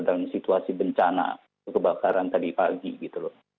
dalam situasi bencana kebakaran tadi pagi gitu loh